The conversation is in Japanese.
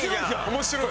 面白い！